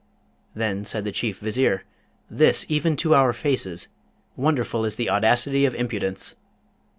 Then said the Chief Vizier, 'This even to our faces! Wonderful is the audacity of impudence!